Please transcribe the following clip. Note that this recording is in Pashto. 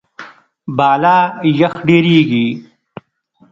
بالا یخ ډېریږي.